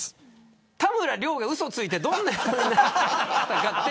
田村亮がうそをついてどんなふうになったかって。